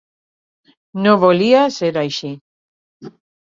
No volia ser així.